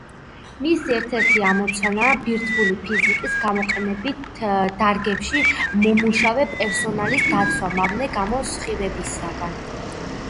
მისი ერთ-ერთი ამოცანაა ბირთვული ფიზიკის გამოყენებით დარგებში მომუშავე პერსონალის დაცვა მავნე გამოსხივებისაგან.